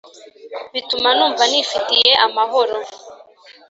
Bituma numva nifitiye amahoro